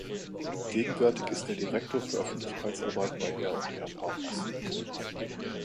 Gegenwärtig ist er Direktor für Öffentlichkeitsarbeit bei R and R Partners.